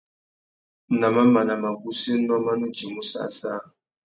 Nà mamana, magussénô mà nu djïmú săssā.